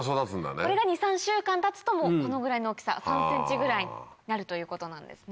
これが２３週間たつともうこのぐらいの大きさ３ｃｍぐらいになるということなんですね。